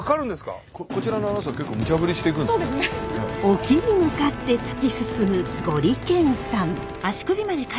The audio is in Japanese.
沖に向かって突き進むゴリけんさん。